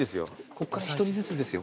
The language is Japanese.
こっから１人ずつですよ。